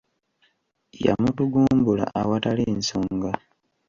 Yamutugumbula awatali nsonga.